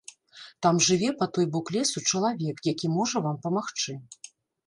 Там жыве, па той бок лесу, чалавек, які можа вам памагчы.